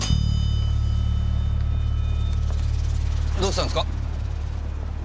どうしたんすか？